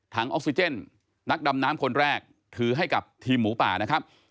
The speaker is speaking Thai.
ออกซิเจนนักดำน้ำคนแรกถือให้กับทีมหมูป่านะครับ